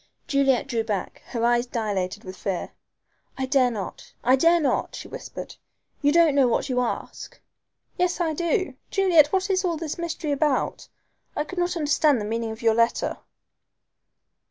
Juliet drew back, and her eyes dilated with fear. "I dare not I dare not," she whispered. "You don't know what you ask." "Yes I do. Juliet, what is all this mystery about? I could not understand the meaning of your letter."